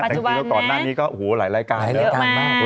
แต่คือก่อนหน้านี้ก็หลายรายการเยอะมาก